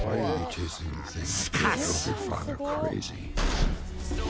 しかし。